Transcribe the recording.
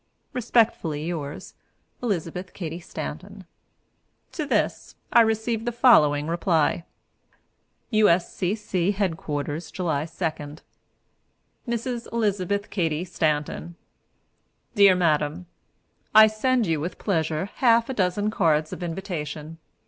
"Respectfully Yours, "Elizabeth Cady Stanton." To this I received the following reply: "U.S.C.C. Headquarters, July 2. "Mrs. Elizabeth Cady Stanton. "Dear Madam: I send you, with pleasure, half a dozen cards of invitation.